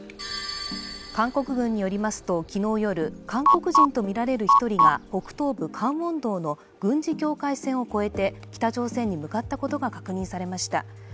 韓国軍によりますと昨日夜、韓国人とみられる１人が北東部カンウォンドの軍事境界線を越えて、北朝鮮に向かったことが確認されました。